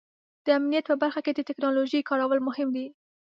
د امنیت په برخه کې د ټیکنالوژۍ کارول مهم دي.